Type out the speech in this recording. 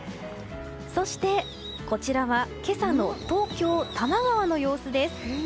そして、こちらは今朝の東京・多摩川の様子です。